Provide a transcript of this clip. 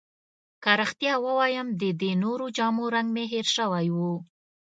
که رښتیا ووایم، د دې نورو جامو رنګ مې هیر شوی وو.